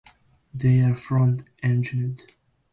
They are front-engined.